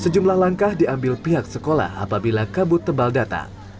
sejumlah langkah diambil pihak sekolah apabila kabut tebal datang